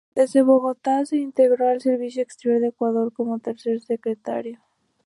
Desde Bogotá, se integró al servicio exterior de Ecuador, como tercer secretario.